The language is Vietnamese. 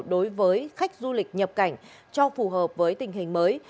đối với khách du lịch nhập cảnh cho phù hợp với tình hình mới